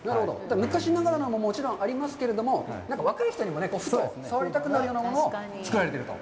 昔ながらももちろんありますけれども、若い人にもふと触りたくなるようなものをつくられていると。